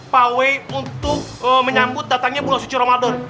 pawai untuk menyambut datangnya bulan suci ramadan